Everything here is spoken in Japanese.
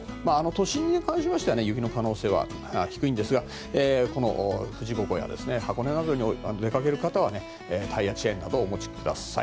都心に関しては雪の可能性は低いんですが富士五湖や箱根などに出かける方はタイヤチェーンなどをお持ちください。